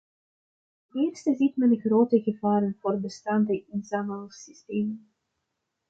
Ten eerste ziet men grote gevaren voor bestaande inzamelsystemen.